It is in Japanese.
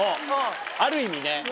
ある意味ね。